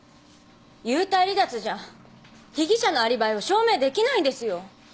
幽体離脱じゃ被疑者のアリバイを証明できないんですよ！